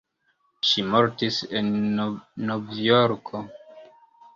Ŝi mortis en Novjorko.